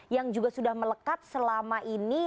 yang juga sudah melekat selama ini